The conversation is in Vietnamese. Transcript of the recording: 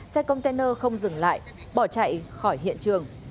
xe container không dừng lại bỏ chạy khỏi hiện trường